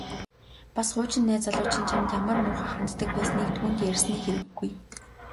Бас хуучин найз залуу чинь чамд ямар муухай ханддаг байсныг түүнд ярьсны хэрэггүй.